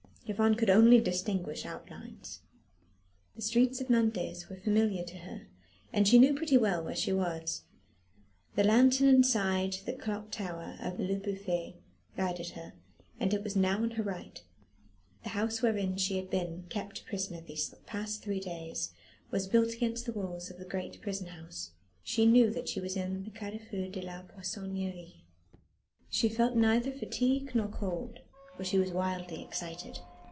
Yvonne could only distinguish outlines. The streets of Nantes were familiar to her, and she knew pretty well where she was. The lanthorn inside the clock tower of Le Bouffay guided her it was now on her right the house wherein she had been kept a prisoner these past three days was built against the walls of the great prison house. She knew that she was in the Carrefour de la Poissonnerie. She felt neither fatigue nor cold, for she was wildly excited.